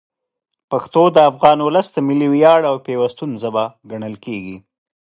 پښتو د افغان ولس د ملي ویاړ او پیوستون ژبه ګڼل کېږي.